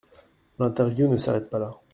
L’interview ne s’arrête pas là.